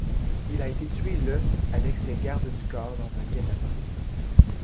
Il a été tué le avec ses gardes du corps dans un guet-apens.